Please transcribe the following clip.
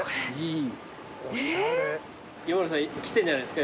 井森さん来てんじゃないですか？